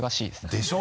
でしょ？